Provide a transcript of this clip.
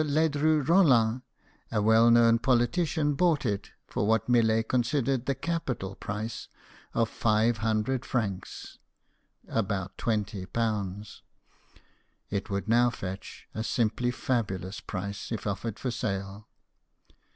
Ledru Rollin, a well known politician, bought it for what Millet considered the capital price of five hundred francs (about 20). It would now fetch a simply fabulous price, if offered for sale.